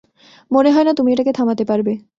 মনে হয় না তুমি এটাকে থামাতে পারবে।